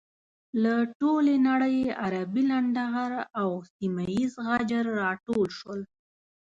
له ټولې نړۍ عربي لنډه غر او سيمه یيز غجر راټول شول.